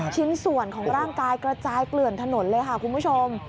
ชิ้นส่วนของร่างกายกระจายเกลื่อนถนนเลยค่ะคุณผู้ชม